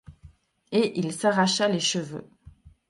Et il s’arracha les cheveux.